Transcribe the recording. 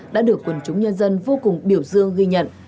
đã được quần chúng nhân dân vô cùng biểu dương ghi nhận